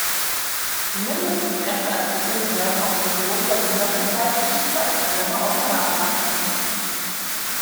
Zumindest in Presseartikeln werden auch Personen der jüngeren Zeitgeschichte als Kölner Originale bezeichnet.